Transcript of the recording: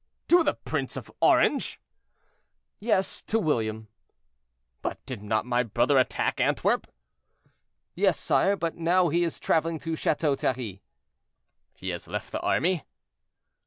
"To the Prince of Orange!" "Yes, to William." "But did not my brother attack Antwerp?" "Yes, sire; but now he is traveling to Chateau Thierry." "He has left the army?"